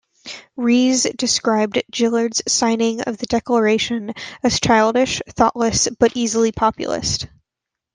Rees described Gillard's signing of the declaration as childish, thoughtless but easily populist.